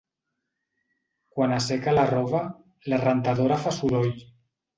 Quan asseca la roba, la rentadora fa soroll.